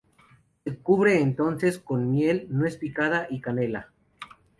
Se cubre entonces con miel, nuez picada y canela.